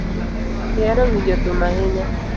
Ihero winjo thum ahinya.